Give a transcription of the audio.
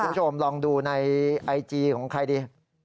คุณผู้ชมลองดูในไอจีของใครดี